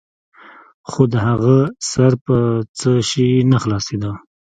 خو د هغه سر په څه شي نه خلاصېده.